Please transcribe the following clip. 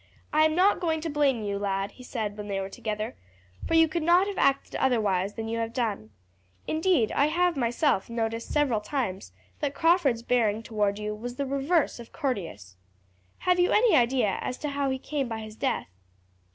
I am not going to blame you, lad," he said when they were together, "for you could not have acted otherwise than you have done. Indeed, I have myself noticed several times that Crawford's bearing towards you was the reverse of courteous. Have you any idea as to how he came by his death?"